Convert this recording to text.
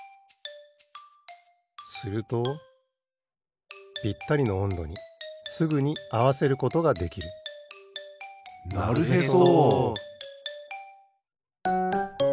するとぴったりのおんどにすぐにあわせることができるなるへそ！